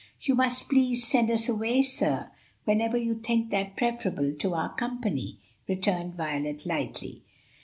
"You must please send us away, sir, whenever you think that preferable to our company," returned Violet lightly.